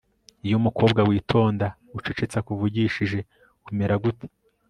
Iyo umukobwa witonda ucecetseakuvugishije umera gute